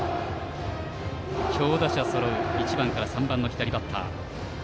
強打者そろう１番から３番の左バッター。